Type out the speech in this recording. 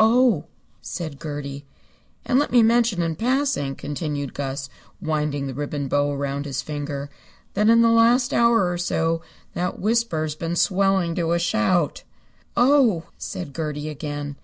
"Oh!" said Gertie. "And let me mention in passing," continued Gus, winding the ribbon bow around his finger, "that in the last hour or so that whisper has been swelling to a shout." "Oh!" said Gertie again.